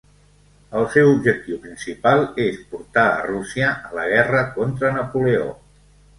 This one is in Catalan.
El seu objectiu principal és portar a Rússia a la guerra contra Napoleó.